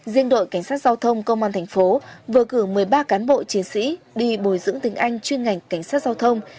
riêng đội cảnh sát giao thông công an thành phố vừa cử một mươi ba cán bộ chiến sĩ đi bồi dưỡng tiếng anh chuyên ngành cảnh sát giao thông